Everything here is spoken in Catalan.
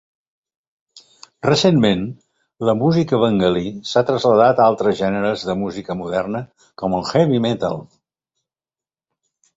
Recentment, la música bengalí s'ha traslladat a altres gèneres de música moderna com el heavy metal.